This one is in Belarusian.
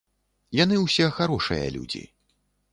Яны ўсе харошыя людзі.